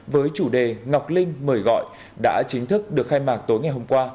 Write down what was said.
với chủ đề ngọc linh mời gọi đã chính thức được khai mạc tối ngày hôm qua